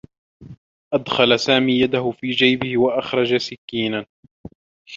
أدخل سامي يده في جيبه و أخرج سكّينا.